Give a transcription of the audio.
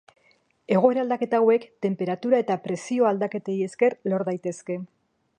Egoera aldaketa hauek tenperatura eta presio aldaketei esker lor daitezke.